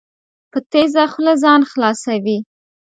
په تېزه خوله ځان خلاصوي.